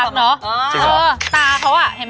จริงหรอตาเขาอะเห็นไหม